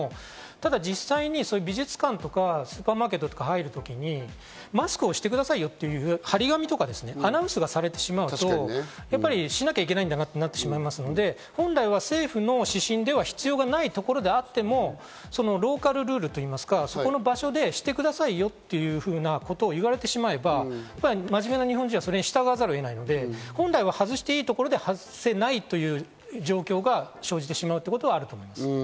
ただ実際に美術館とか、スーパーマーケットとかに入る時にマスクをしてくださいよという張り紙とか、アナウンスをされてしまいますと、やっぱしなきゃいけないんだなとなりますので、本来は政府の指針では必要ないところであってもローカルルールと言いますか、そこの場所でしてくださいよというふうなことを言われてしまえば、真面目な日本人はそれに従わざるを得ないので、本来外していいところで外せないという状況が生じてしまうということはあると思います。